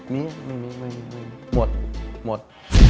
มีหมดหมด